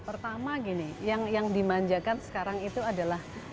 pertama gini yang dimanjakan sekarang itu adalah